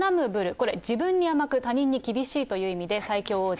これ、自分に甘く他人に厳しいという意味で最強王者。